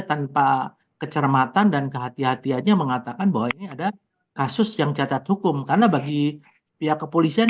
tanpa kecermatan dan kehatiannya mengatakan bahwa ini ada kasus yang cacat hukum karena bagi pihak kepolisian